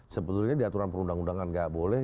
sebetulnya di aturan perundang undangan nggak boleh